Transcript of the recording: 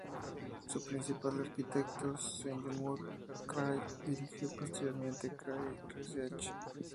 Su principal arquitecto, Seymour Cray, dirigió posteriormente Cray Research.